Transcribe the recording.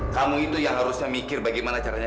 kamu itu yang harusnya mikir bagaimana caranya